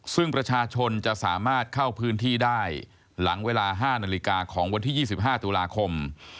ซึ่งประชาชนจะสามารถเข้าพื้นที่ได้หลังเวลา๕นาฬิกาของวันที่๒๕ตุลาคม